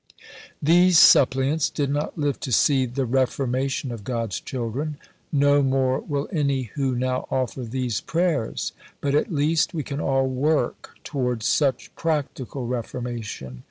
These suppliants did not live to see the "reformation" of God's children. No more will any who now offer these prayers. But at least we can all work towards such practical "reformation."